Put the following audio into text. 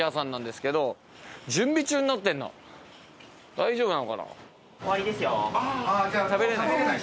大丈夫なのかな？